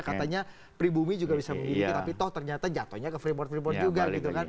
katanya pribumi juga bisa memiliki tapi toh ternyata jatuhnya ke freeport freeport juga gitu kan